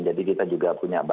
jadi kita juga punya bahan